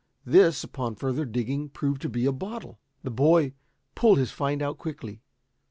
This, upon further digging, proved to be a bottle. The boy pulled his find out quickly.